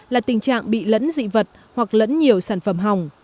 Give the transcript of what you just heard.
là tình trạng bị lẫn dị vật hoặc lẫn nhiều sản phẩm hỏng